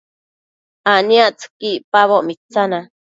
aniactsëqui icpaboc mitsana